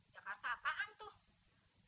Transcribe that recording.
jakarta apaan tuh